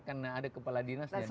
karena ada kepala dinasnya di situ